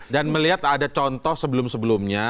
dan melihat ada contoh sebelum sebelumnya